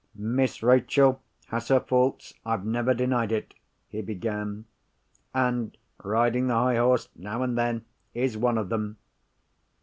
"Miss Rachel has her faults—I've never denied it," he began. "And riding the high horse, now and then, is one of them.